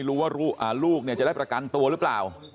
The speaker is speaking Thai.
เพราะไม่รู้ว่าลูกจะได้ประกันตัวหรือเปล่า